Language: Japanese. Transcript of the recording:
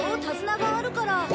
手綱があるから。